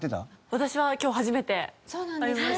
私は今日初めて会いました。